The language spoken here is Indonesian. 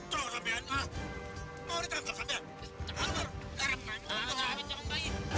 tempat angkot yang sebelah cowok